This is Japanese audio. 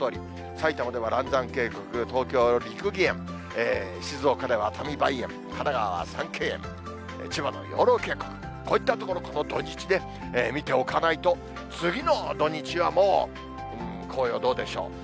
埼玉では嵐山渓谷、東京は六義園、静岡では熱海梅園、神奈川は三渓園、千葉の養老渓谷、こういった所、土日で見ておかないと、次の土日はもう、紅葉どうでしょう。